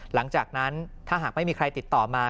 หลังจากนั้นถ้าหากไม่มีใครติดต่อมา